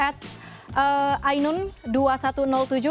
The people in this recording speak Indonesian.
yang pertama ini dari at ainun dua ribu satu ratus tujuh